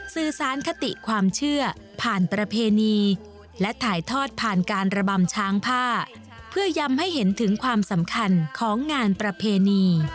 สื่อสารคติความเชื่อผ่านประเพณีและถ่ายทอดผ่านการระบำช้างผ้าเพื่อย้ำให้เห็นถึงความสำคัญของงานประเพณี